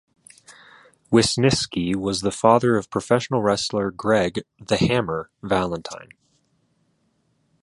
Wisniski was the father of professional wrestler Greg "The Hammer" Valentine.